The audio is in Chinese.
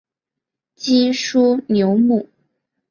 基舒纽姆。